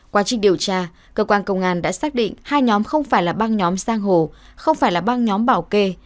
quá trình điều tra cơ quan công an đã xác định hai nhóm không phải là băng nhóm giang hồ không phải là băng nhóm bảo kê